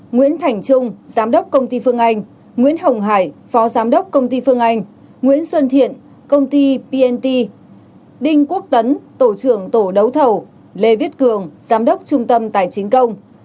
nguyễn thành trung giám đốc công ty phương anh nguyễn hồng hải phó giám đốc công ty phương anh nguyễn xuân thiện công ty pnt đinh quốc tấn tổ trưởng tổ đấu thầu lê viết cường giám đốc trung tâm tài chính công